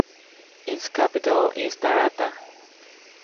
Its capital is Tarata.